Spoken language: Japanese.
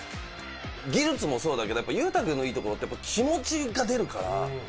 技術もそうだけどやっぱ雄太君のいいところって気持ちが出るから。